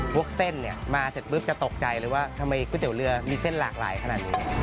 พวกเส้นเนี่ยมาเสร็จปุ๊บจะตกใจเลยว่าทำไมก๋วยเตี๋ยวเรือมีเส้นหลากหลายขนาดนี้